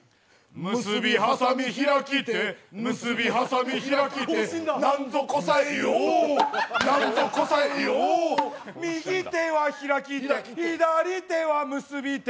むすび、はさみ、ひらきて、むすび、はさみ、ひらきて、なんぞこさえようなんぞこさえよう右手は開き手、左手は結び手。